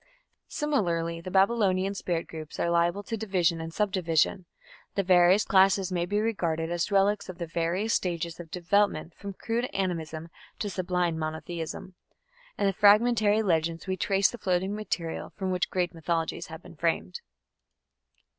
Similarly the Babylonian spirit groups are liable to division and subdivision. The various classes may be regarded as relics of the various stages of development from crude animism to sublime monotheism: in the fragmentary legends we trace the floating material from which great mythologies have been framed.